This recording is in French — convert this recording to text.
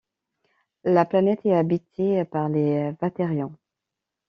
La planète est habitée par les Waterians.